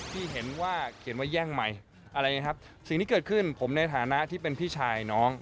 ที่เห็นว่าเขียนว่าแย่งใหม่อะไรอย่างนี้ครับสิ่งที่เกิดขึ้นผมในฐานะที่เป็นพี่ชายน้อง